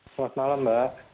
selamat malam mbak